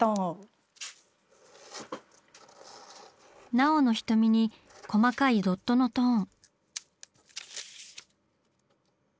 奈緒の瞳に細かいドットのトーン。